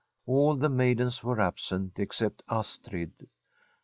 AD the maidens were absent except Astrid.